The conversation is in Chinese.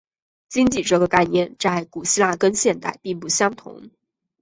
经济这个概念在古希腊跟现代并不相同。